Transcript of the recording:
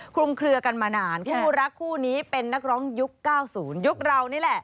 คลุมเคลือกันมานานคู่รักคู่นี้เป็นนักร้องยุค๙๐ยุคเรานี่แหละ